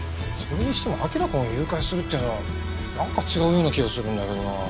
それにしても輝くんを誘拐するっていうのはなんか違うような気がするんだけどな。